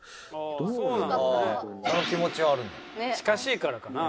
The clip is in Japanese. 近しいからかな。